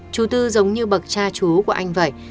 chú tư giống như bậc cha chú của anh vậy